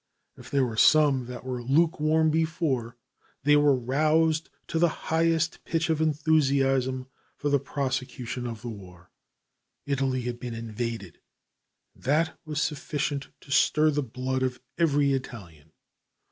If there were some that were lukewarm before, they were roused to the highest pitch of enthusiasm for the prosecution of the war. Italy had been invaded, and that was sufficient to stir the blood of every Italian.